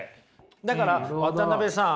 だから渡辺さん